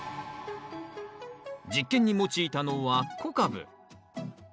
実験に用いたのは小カブ。